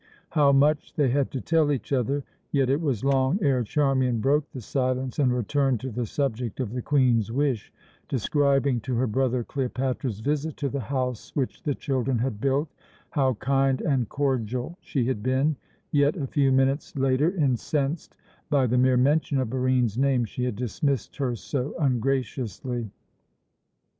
How much they had to tell each other! yet it was long ere Charmian broke the silence and returned to the subject of the Queen's wish, describing to her brother Cleopatra's visit to the house which the children had built, how kind and cordial she had been; yet, a few minutes later, incensed by the mere mention of Barine's name, she had dismissed her so ungraciously.